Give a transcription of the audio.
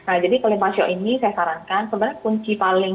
nah jadi kelima show ini saya sarankan sebenarnya kunci paling